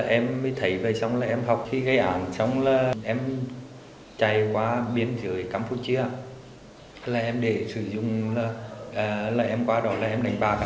em mới thấy về xong là em học khi gây án xong là em chạy qua biên giới campuchia là em để sử dụng là em qua đó là em đánh bạc